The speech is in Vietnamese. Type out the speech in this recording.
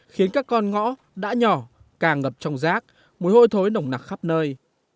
khiến các con ngõ đã nhỏ càng ngập trong rác mùi hôi thối nồng nặc khắp nơi